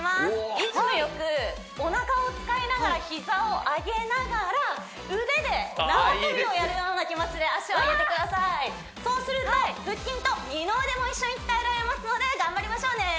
リズムよくおなかを使いながら膝を上げながら腕で縄跳びをやるような気持ちで脚を上げてくださいそうすると腹筋と二の腕も一緒に鍛えられますので頑張りましょうね！